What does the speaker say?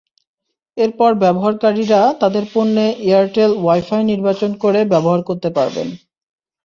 এরপর ব্যবহারকারীরা তাঁদের পণ্যে এয়ারটেল ওয়াই-ফাই নির্বাচন করে ব্যবহার করতে পারবেন।